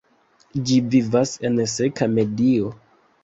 Ĝi vivas en seka medio.